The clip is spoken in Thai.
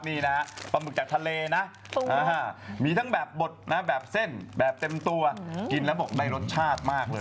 นี่นะปลาหมึกจากทะเลนะมีทั้งแบบบดนะแบบเส้นแบบเต็มตัวกินแล้วบอกได้รสชาติมากเลย